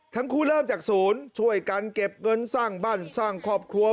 เริ่มจากศูนย์ช่วยกันเก็บเงินสร้างบ้านสร้างครอบครัว